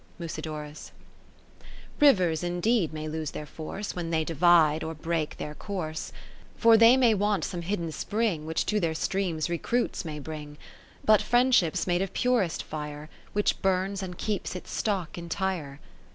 Afusidorus Rivers indeed may lose their force, When they divide or break their course ; (588) For they may want some hidden Spring, Which to their streams recruits may bring : But Friendship's made of purest fire. Which burns and keeps its stock entire.